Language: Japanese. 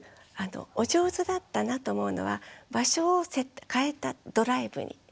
お上手だったなと思うのは場所を変えたドライブに。